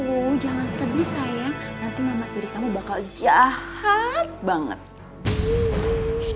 oh jangan sedih sayang nanti mama tiri kamu bakal jahat banget